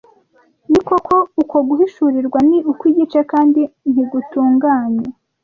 Ni koko uko guhishurirwa ni ukw’igice kandi ntigutunganye